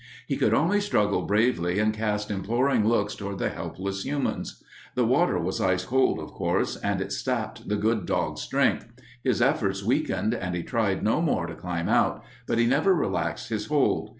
He could only struggle bravely and cast imploring looks toward the helpless humans. The water was ice cold, of course, and it sapped the good dog's strength. His efforts weakened and he tried no more to climb out, but he never relaxed his hold.